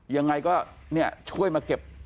ยังไงก็ช่วยมาเก็บ